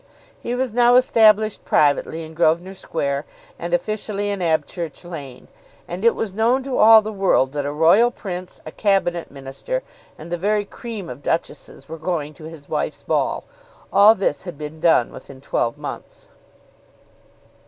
He was now established privately in Grosvenor Square and officially in Abchurch Lane; and it was known to all the world that a Royal Prince, a Cabinet Minister, and the very cream of duchesses were going to his wife's ball. All this had been done within twelve months.